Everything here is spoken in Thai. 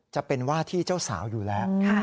จะเป็นว่าที่เจ้าสาวอยู่แล้ว